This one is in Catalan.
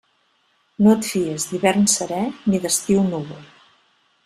No et fies d'hivern serè ni d'estiu núvol.